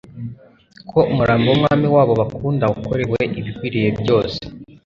ko umurambo w'Umwami wabo bakunda wakorewe ibikwiriye byose.